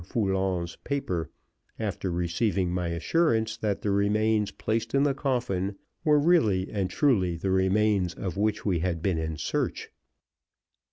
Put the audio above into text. Foulon's paper, after receiving my assurance that the remains placed in the coffin were really and truly the remains of which we had been in search.